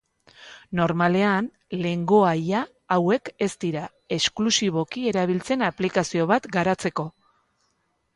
Normalean lengoaia hauek ez dira esklusiboki erabiltzen aplikazio bat garatzeko.